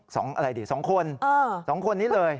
สองอะไรดิสองคนสองคนนี้เลย